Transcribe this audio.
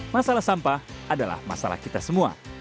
masalah sampah adalah masalah kita semua